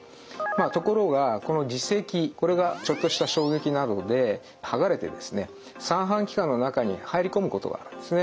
ところがこの耳石これがちょっとした衝撃などではがれてですね三半規管の中に入り込むことがあるんですね。